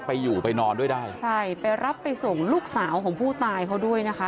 ไปอยู่ไปนอนด้วยได้ใช่ไปรับไปส่งลูกสาวของผู้ตายเขาด้วยนะคะ